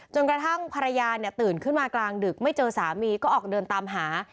กระทั่งภรรยาตื่นขึ้นมากลางดึกไม่เจอสามีก็ออกเดินตามหา